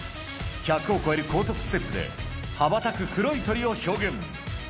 １００を超える高速ステップで、羽ばたく黒い鳥を表現。